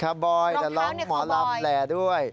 คอบบอยแต่ร้องหมอรับแหล่ด้วย